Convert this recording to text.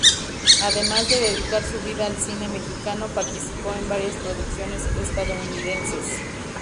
Además de dedicar su vida al cine mexicano, participó en varias producciones estadounidenses.